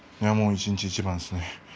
一日一番ですね。